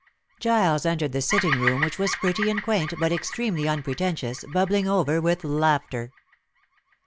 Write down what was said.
Giles entered the sitting room, which was pretty and quaint but extremely unpretentious, bubbling over with laughter.